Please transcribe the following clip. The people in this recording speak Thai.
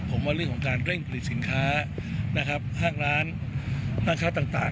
ผมว่าเรื่องของการเร่งผลิตสินค้านะครับห้างร้านห้างค้าต่าง